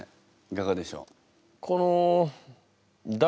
いかがでしょう？